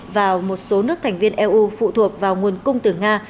vào một số nước thành viên eu phụ thuộc vào nguồn cung từ nga